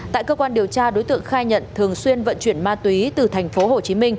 tại cơ quan điều tra đối tượng khai nhận thường xuyên vận chuyển ma túy từ tp hcm